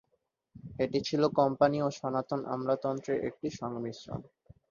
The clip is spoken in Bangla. এটি ছিল কোম্পানি ও সনাতন আমলাতন্ত্রের একটি সংমিশ্রণ।